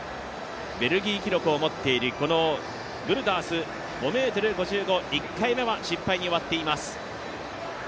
ベルギー記録を持っているこのブルダース、５ｍ５５、１回目は失敗に終わっています。